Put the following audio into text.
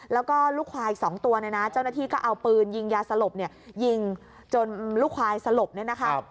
แล้วก็ลูกควาย๒ตัวเนี่ยนะเจ้าหน้าที่ก็เอาปืนยิงยาสลบเนี่ยยิงจนลูกควายสลบเนี่ยนะคะ